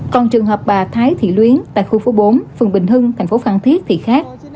còn trường hợp bà thái thị luyến tại khu phố bốn phường bình hưng thành phố phan thiết thì khác